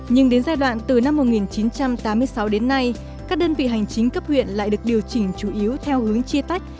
nhưng đến giai đoạn từ năm một nghìn chín trăm tám mươi sáu đến nay các đơn vị hành chính cấp huyện lại được điều chỉnh chủ yếu theo hướng chia tách